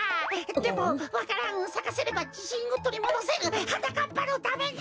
でもわか蘭をさかせればじしんをとりもどせるはなかっぱのために！